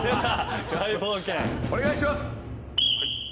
お願いします！